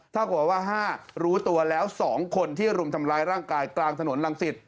ถ้าเกิดว่า๕รู้ตัวแล้ว๒คนที่รุมทำร้ายร่างกายกลางถนนรังสิต